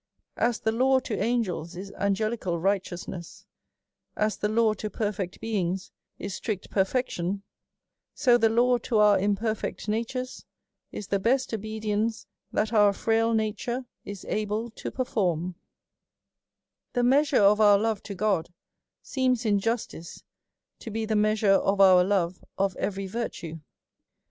As the law to angels is angelical righteousness, as the law to perfect beings is strict perfection, so the law to our imperfect natures is the best obedience that our frail nature is able to perform c 4 24 A SERIOUS CALL TO A The measure of our love to God seems injustice to be the measure of our love of every virtue.